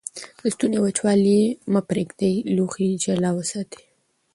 د ستوني وچوالی مه پرېږدئ. لوښي جلا وساتئ.